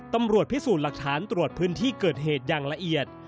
ตำรวจพิสูจน์หลักฐานตรวจพื้นที่เกิดเหตุอย่างละเอียด